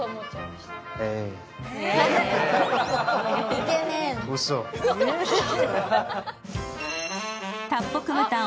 イケメン！